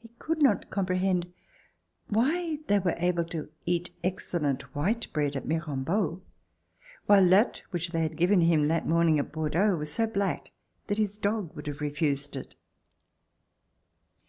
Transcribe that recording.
He could not comprehend why they were able to eat excellent white bread at MIrambeau, while that which they had given him that morning at Bordeaux was so black that his dog would have refused it.